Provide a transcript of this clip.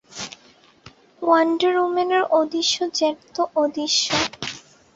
Wonder ওম্যানের অদৃশ্য jet তো অদৃশ্য।